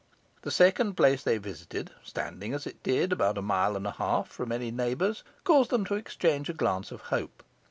The second place they visited, standing, as it did, about a mile and a half from any neighbours, caused them to exchange a glance of hope.